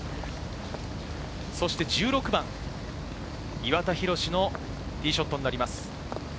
１６番、岩田寛のティーショットになります。